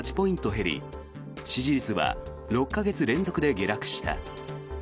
減り支持率は６か月連続で下落した。